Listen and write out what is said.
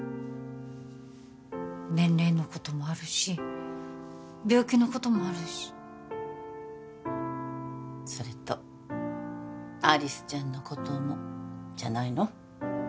年齢のこともあるし病気のこともあるしそれと有栖ちゃんのこともじゃないの？